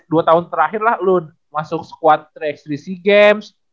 dua tahun terakhir lah lo masuk skuad tiga x tiga sea games